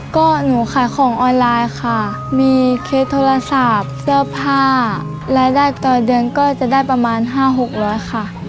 ก็หนูขายของออนไลน์ค่ะมีเคสโทรศัพท์เสื้อผ้ารายได้ต่อเดือนก็จะได้ประมาณ๕๖๐๐ค่ะ